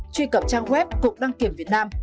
truy cập trang web cục đăng kiểm việt nam